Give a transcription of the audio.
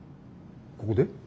ここで？